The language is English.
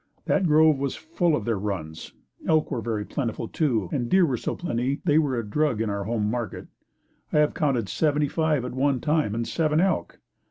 That grove was full of their runs. Elk were very plentiful, too, and deer were so plenty they were a drug in our home market. I have counted seventy five at one time and seven elk.